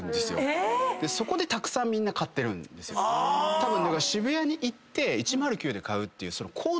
たぶん。